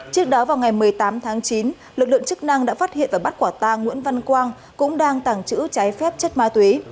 trước đó vào ngày một mươi tám tháng chín lực lượng chức năng đã phát hiện và bắt quả tang nguyễn văn quang cũng đang tàng trữ trái phép chất ma túy